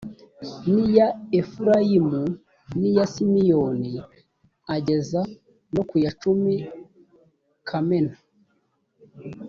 n iya efurayimu n iya simiyoni ageza no ku ya cumi kamena